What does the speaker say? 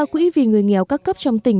quỹ vì người nghèo các cấp trong tỉnh